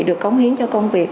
được cống hiến cho công việc